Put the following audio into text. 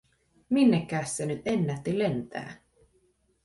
Minnekäs se nyt ennätti lentää?